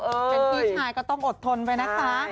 เป็นพี่ชายก็ต้องอดทนไปนะคะ